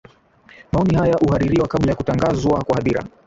maoni haya uhaririwa kabla ya kutangazwa kwa hadhira